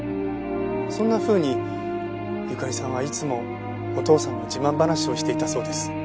そんなふうにゆかりさんはいつもお父さんの自慢話をしていたそうです。